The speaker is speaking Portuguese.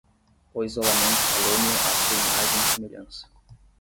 O isolamento talhou-me à sua imagem e semelhança.